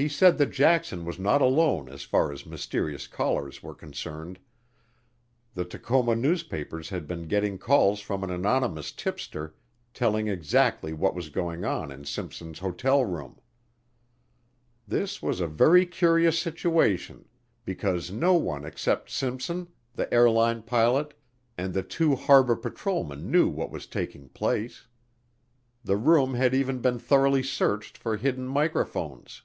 He said that Jackson was not alone as far as mysterious callers were concerned, the Tacoma newspapers had been getting calls from an anonymous tipster telling exactly what was going on in Simpson's hotel room. This was a very curious situation because no one except Simpson, the airline pilot, and the two harbor patrolmen knew what was taking place. The room had even been thoroughly searched for hidden microphones.